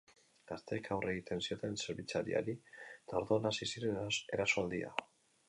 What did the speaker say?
Gazteek aurre egin zioten zerbitzariari eta orduan hasi ziren erasoaldia.